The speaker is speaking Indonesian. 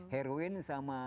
heroin sama ya